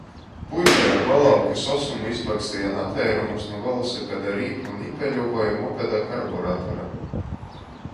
Puiši ar bulavkys osumu izbaksteja nateirumus nu velosipeda rīpu nipeļu voi mopeda karburatora.